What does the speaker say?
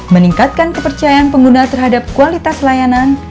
meningkatkan kepercayaan pengguna terhadap kualitas layanan